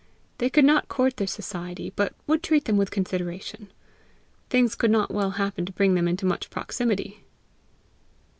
They could not court their society, but would treat them with consideration! Things could not well happen to bring them into much proximity!